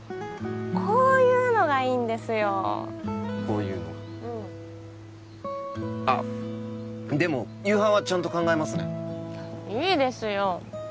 こういうのがいいんですよこういうのがうんあっでも夕飯はちゃんと考えますねいいですよ